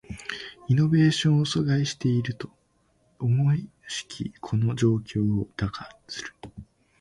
イノベーションを阻害していると思しきこの状況を打破する